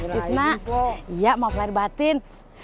tisna maaf lahir batin